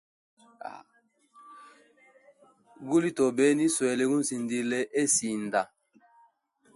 Guli tobe, niswele gunzindile he sinda.